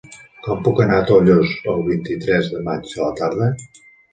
Com puc anar a Tollos el vint-i-tres de maig a la tarda?